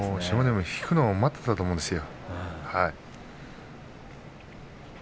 海も引くのを待っていたと思うんですよ。